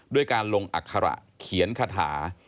ด้วยการลงอัคระเขียนคาถา